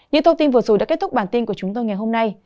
những thông tin vừa rồi đã kết thúc bản tin của chúng tôi ngày hôm nay